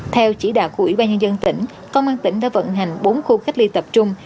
theo chỉ đạo của ủy ban nhân dân tỉnh công an tỉnh đã vận hành bốn khu cách ly tập trung